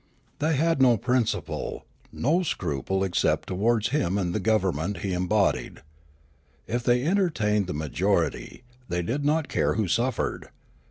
They had no principle, no scruple ex cept towards him and the government he embodied. If they entertained the majority, they did not care who suffered.